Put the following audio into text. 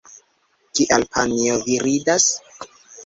Kial panjo, vi ridas?